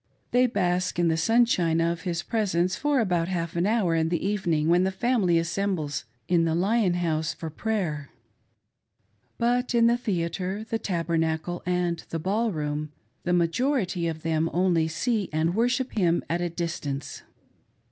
They bask in the sunshine of his presence for about half an hour in the evening when the family assembles in the Lion House for prayer. But in the theatre, the Taber nacle, and the ball room, the majority of them only see and worship him at a distance.